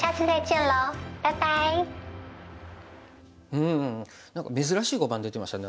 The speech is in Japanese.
うん何か珍しい碁盤出てましたね